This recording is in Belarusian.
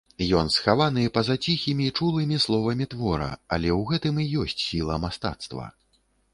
Ён схаваны па-за ціхімі, чулымі словамі твора, але ў гэтым і ёсць сіла мастацтва.